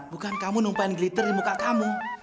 bukan kamu numpahin glitter di muka kamu